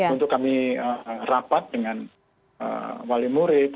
untuk kami rapat dengan wali murid